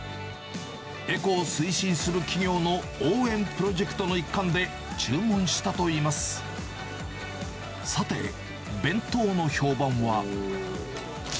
エコを推進する企業の応援プロジェクトの一環で注文したといいます。